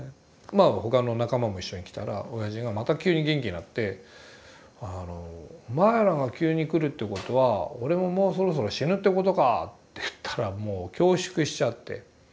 まあ他の仲間も一緒に来たら親父がまた急に元気になって「お前らが急に来るってことは俺ももうそろそろ死ぬってことか」って言ったらもう恐縮しちゃって。